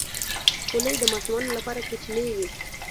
خولۍ د ماشومانو لپاره کوچنۍ وي.